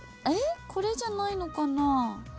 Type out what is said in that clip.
えっこれじゃないのかな。